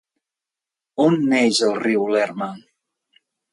On neix el riu Lerma?